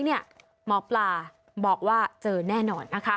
หมอปลาบอกว่าเจอแน่นอน